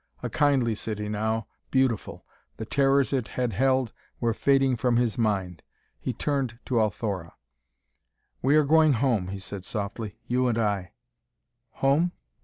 A kindly city now beautiful; the terrors it had held were fading from his mind. He turned to Althora. "We are going home," he said softly, "you and I." "Home?"